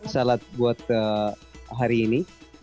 salat buat hari ini